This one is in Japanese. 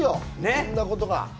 いろんなことが。